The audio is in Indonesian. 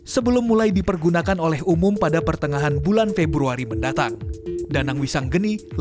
sebelum mulai dipergunakan oleh umum pada pertengahan bulan februari mendatang